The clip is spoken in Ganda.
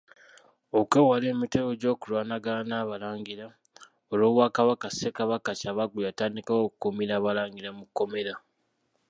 Olw’okwewala emiteeru gy’okulwanagana n’abalangira olw’obwakabaka Ssekabaka Kyabaggu yatandikawo okukuumira abalangira mu Kkomera.